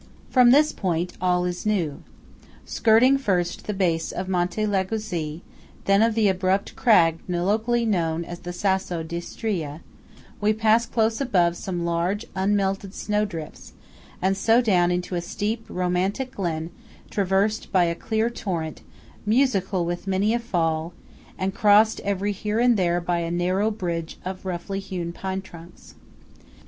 From this point, all is new. Skirting first the base of Monte Lagazuoi, then of the abrupt crag locally known as the Sasso d'Istria, we pass close above some large unmelted snow drifts, and so down into a steep romantic glen traversed by a clear torrent "musical with many a fall" and crossed every here and there by a narrow bridge of roughly hewn pine trunks.